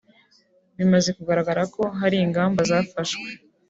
Bimaze kugaragara hari ingamba zafashwe